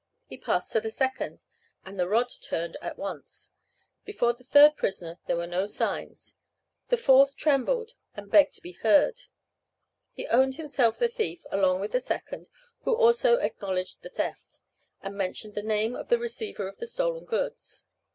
He passed to the second, and the rod turned at once. Before the third prisoner there were no signs; the fourth trembled, and begged to be heard. He owned himself the thief, along with the second, who also acknowledged the theft, and mentioned the name of the receiver of the stolen goods.